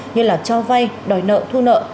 như cho vay đòi nợ thu nợ